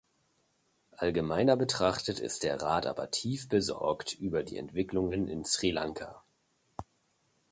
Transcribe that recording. Allgemeiner betrachtet ist der Rat aber tief besorgt über die Entwicklungen in Sri Lanka.